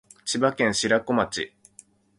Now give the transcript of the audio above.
千葉県白子町